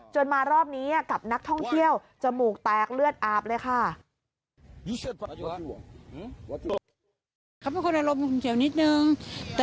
มารอบนี้กับนักท่องเที่ยวจมูกแตกเลือดอาบเลยค่ะ